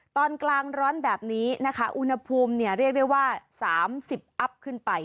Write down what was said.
ตอนกลางร้อนแบบนี้นะคะอุณหภูมิเรียกได้ว่า๓๐อัพขึ้นไป